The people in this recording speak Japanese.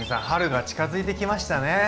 春が近づいてきましたね。